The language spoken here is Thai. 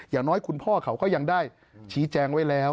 อย่างน้อยคุณพ่อเขาก็ยังได้ชี้แจงไว้แล้ว